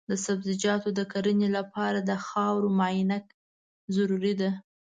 د سبزیجاتو د کرنې لپاره د خاورو معاینه ضروري ده.